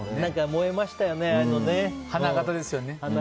燃えましたよね、花形ですよね。